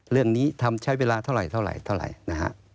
เรื่องนี้ทำใช้เวลาเท่าไหร่เท่าไหร่นะฮะ